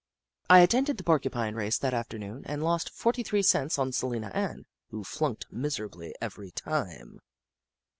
I attended the Porcupine race that after noon, and lost forty three cents on Salina Ann, who flunked miserably every time.